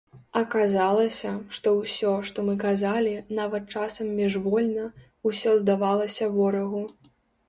Аказалася, што ўсё, што мы казалі, нават часам міжвольна, усё здавалася ворагу.